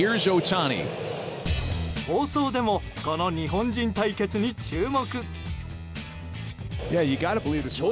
放送でもこの日本人対決に注目。